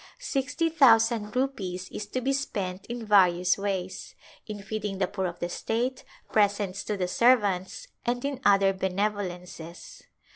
Sixty thousand rupees is to be spent in various ways; in feeding the poor of the state, presents to the servants, and in other benevolences.